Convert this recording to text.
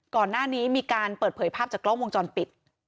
ก่อนหน้านี้มีการเปิดเผยภาพจากกล้องวงจรปิด